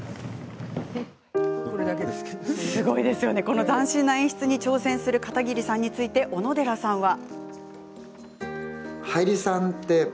この斬新な演出に挑戦する片桐さんについて小野寺さんは。